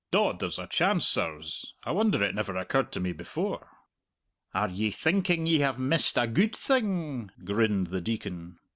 "Dod, there's a chance, sirs. I wonder it never occurred to me before." "Are ye thinking ye have missed a gude thing?" grinned the Deacon.